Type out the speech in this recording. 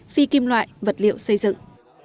phi kim loại vật liệu xây dựng